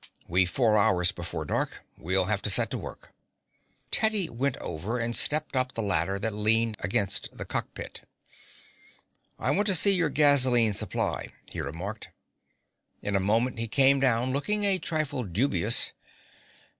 "We've four hours before dark. We'll have to set to work." Teddy went over and stepped up the ladder that leaned against the cockpit. "I want to see your gasoline supply," he remarked. In a moment he came down, looking a trifle dubious.